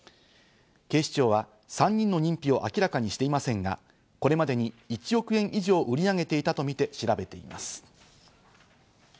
警視庁は３人の認否を明らかにしていませんが、これまでに１億円以上を売り上げていたとみて調べています。